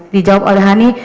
dijawab oleh hany